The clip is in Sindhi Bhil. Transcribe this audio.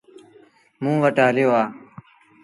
موݩ وٽ هليو آ۔